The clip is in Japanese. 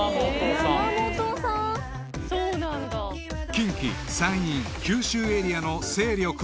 ［近畿山陰九州エリアの勢力は］